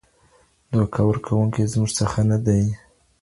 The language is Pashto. دوکه ورکوونکی زموږ څخه نه دی.